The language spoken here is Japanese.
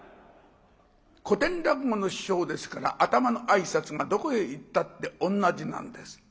古典落語の師匠ですから頭の挨拶がどこへ行ったって同じなんです。